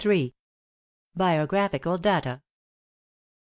* *BIOGRAPHICAL DATA.